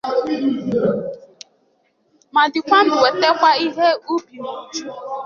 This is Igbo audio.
ma dịkwa ndụ wetekwa ihe ubi n'uju